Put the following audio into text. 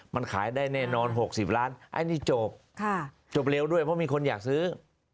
มันขายได้แน่นอน๖๐ล้านอันนี้จบจบเร็วด้วยเพราะมีคนอยากซื้อ